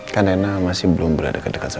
kan rene masih belum boleh dekat sama mama ya